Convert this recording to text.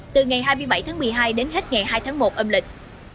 từ ngày hai mươi bảy tháng một mươi hai đến hết ngày hai tháng một âm lịch